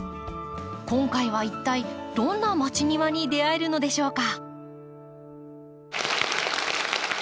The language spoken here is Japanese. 今回は一体どんなまちニワに出会えるのでしょうか？